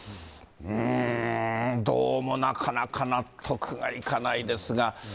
うーん、どうもなかなか、納得がいかないですが。